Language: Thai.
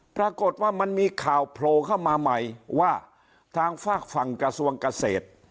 ปรากฏว่ามันมีข่าวโผล่เข้ามาใหม่ว่าทางฝากฝั่งกระทรวงเกษตร